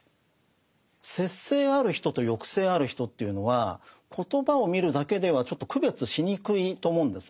節制ある人と抑制ある人というのは言葉を見るだけではちょっと区別しにくいと思うんですね。